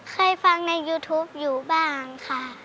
เคยฟังในยูทูปอยู่บ้างค่ะ